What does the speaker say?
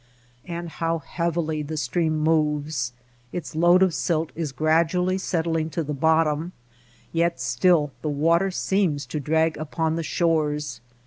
And how heavily the stream moves ! Its load of silt is gradually settling to the bottom, yet still the water seems to drag upon the shores.